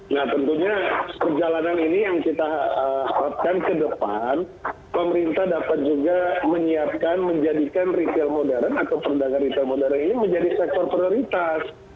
nah tentunya perjalanan ini yang kita harapkan ke depan pemerintah dapat juga menyiapkan menjadikan retail modern atau perdagangan retail modern ini menjadi sektor prioritas